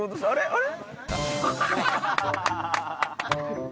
あれ？